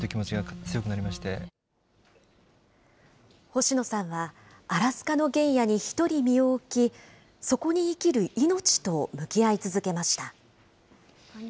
星野さんは、アラスカの原野に一人身を置き、そこに生きる命と向き合い続けました。